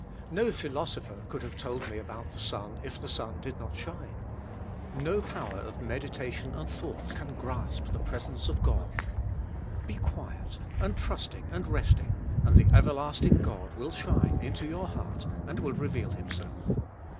No philosopher could have told me about the sun if the sun did not shine. No power of meditation and thought can grasp the presence of God. Be quiet, and trusting, and resting, and the everlasting God will shine into your heart, 172 THA T GOD MA Y BE ALL IN ALL and will reveal Himself.